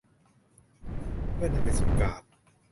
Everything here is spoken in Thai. เพื่อนำไปสู่การ